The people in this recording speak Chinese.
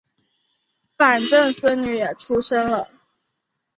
反正孙女也出生了